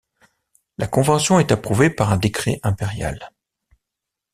La convention est approuvée par un décret impérial.